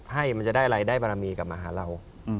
ให้มันจะได้อะไรได้บารมีกลับมาหาเรา